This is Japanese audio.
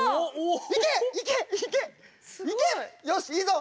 よしいいぞ！